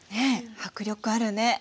迫力あるね。